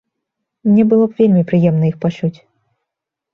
Мне было б вельмі прыемна іх пачуць.